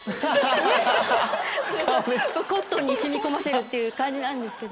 コットンに染み込ませるっていう感じなんですけど。